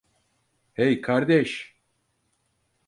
Hey, kardeş.